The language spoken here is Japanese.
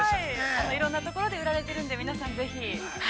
◆いろんなところで売られているので、皆さんぜひ。